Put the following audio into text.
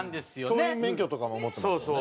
教員免許とかも持ってますよね。